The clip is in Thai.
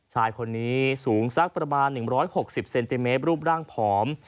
ชายคนนี้สูงสักประมาณ๑๖๐เซนติเมตรรูปร่างผอม